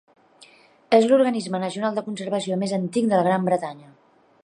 És l'organisme nacional de conservació més antic de la Gran Bretanya.